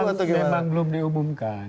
memang belum diumumkan